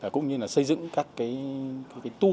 cũng như xây dựng các tour